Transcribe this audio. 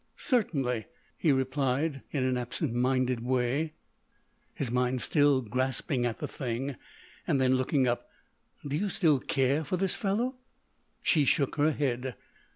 "Certainly," he replied in an absent minded way, his mind still grasping at the thing. Then, looking up: "Do you still care for this fellow?" She shook her head.